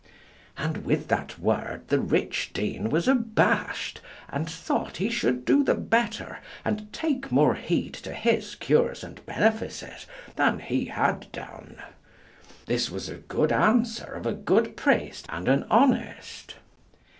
And with that word the rich dean was abashed, and thought he should do the better and take more heed to his cures and benefices than he had done. This was a good answer of a good priest and an honest.